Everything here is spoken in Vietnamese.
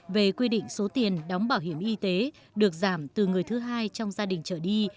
về quy định số tiền đóng bảo hiểm y tế được giảm từ người thứ hai trong gia đình trở đi